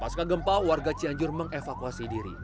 pasca gempa warga cianjur mengevakuasi diri